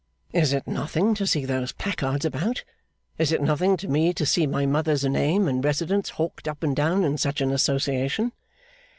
'Is it nothing to see those placards about? Is it nothing to me to see my mother's name and residence hawked up and down in such an association?